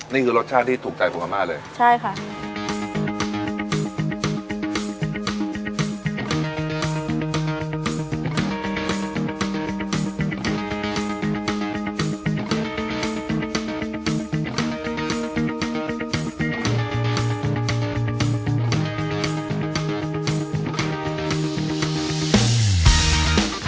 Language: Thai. นี่คือรสชาติที่ถูกใจผมอาม่าเลยใช่ค่ะ